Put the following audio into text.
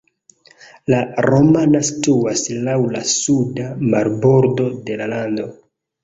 La Romana situas laŭ la suda marbordo de la lando.